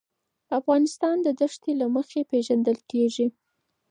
افغانستان د ښتې له مخې پېژندل کېږي.